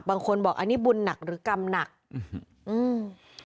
บางคนบอกอันนี้บุญหนักหรือกรรมหนักอืม